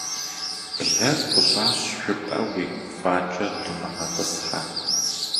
Блэр пӏыщӏащ жыпӏэу уи гуфӏакӏэ думыгъэтӏысхьэ.